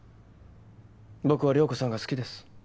僕は涼子さんが好きです。